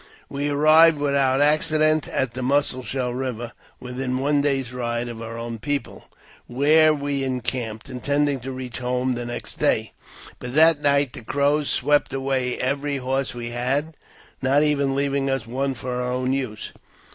We arrived, without h 272 AVTOBIOGBAPHY OF accident, at the Mussel Shell Eiver, within one day's ride of h our own people, where we encamped, intending to reach homelB next day ; but that night the Crows swept away every horse we had, not even leaving us one for our own use.